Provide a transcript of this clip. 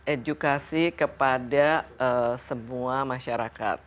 edukasi kepada semua masyarakat